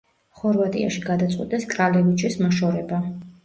ხორვატიაში გადაწყვიტეს კრალევიჩის მოშორება.